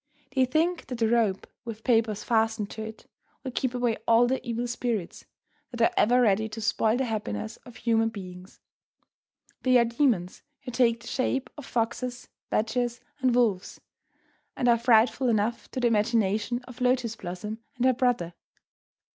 They think that the rope, with papers fastened to it, will keep away all the evil spirits that are ever ready to spoil the happiness of human beings. They are demons, who take the shape of foxes, badgers, and wolves, and are frightful enough to the imagination of Lotus Blossom and her brother.